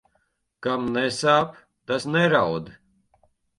Kam nesāp, tas neraud.